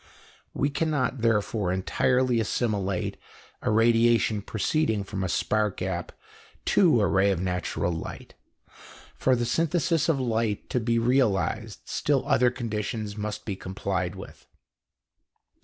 We cannot therefore entirely assimilate a radiation proceeding from a spark gap to a ray of natural light. For the synthesis of light to be realized, still other conditions must be complied with.